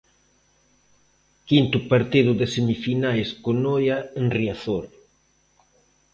Quinto partido de semifinais co Noia en Riazor.